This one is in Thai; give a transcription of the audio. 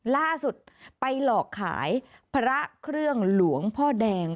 ล่าสุดไปหลอกขายพระเครื่องหลวงพ่อแดง